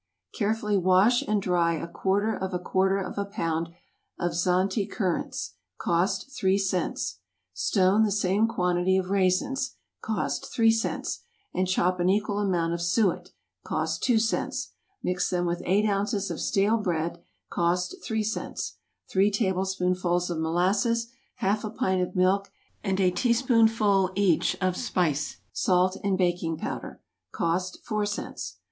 = Carefully wash and dry a quarter of a quarter of a pound of Zante currants, (cost three cents,) stone the same quantity of raisins, (cost three cents,) and chop an equal amount of suet, (cost two cents;) mix them with eight ounces of stale bread, (cost three cents,) three tablespoonfuls of molasses, half a pint of milk, and a teaspoonful each of spice, salt, and baking powder, (cost four cents.)